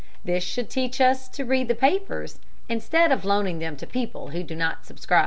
] This should teach us to read the papers instead of loaning them to people who do not subscribe.